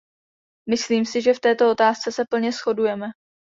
Myslím si, že v této otázce se plně shodujeme.